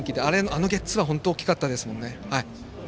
あのゲッツーは本当に大きかったですね。